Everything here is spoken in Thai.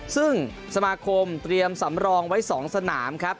ซึ่งสมาคมเตรียมสำรองไว้๒สนามครับ